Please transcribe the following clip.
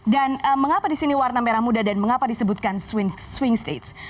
dan mengapa disini warna merah muda dan mengapa disebutkan swing states